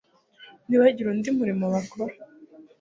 ntibagire undi murimo bakora